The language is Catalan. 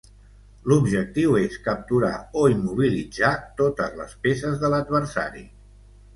L'objectiu és capturar o immobilitzar totes les peces de l'adversari.